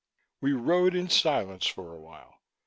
We rode in silence for a while.